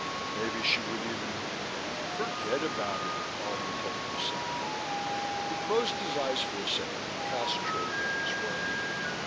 Maybe she would even.... Forget about it, Albin told himself. He closed his eyes for a second and concentrated on his work.